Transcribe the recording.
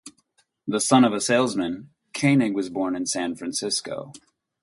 The son of a salesman, Koenig was born in San Francisco.